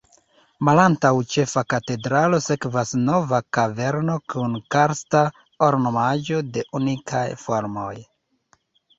Malantaŭ Ĉefa katedralo sekvas Nova kaverno kun karsta ornamaĵo de unikaj formoj.